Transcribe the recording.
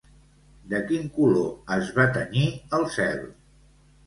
De quin color es va tenyir el cel?